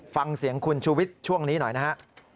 ฟังเสียงคุณชูวิทย์ช่วงนี้หน่อยนะฮะ